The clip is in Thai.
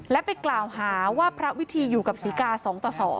และไปกล่าวหาว่าพระวิธีอยู่กับศรีกา๒ต่อ๒